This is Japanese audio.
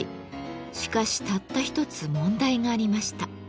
しかしたった一つ問題がありました。